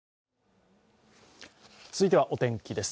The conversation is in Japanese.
続いてはお天気です。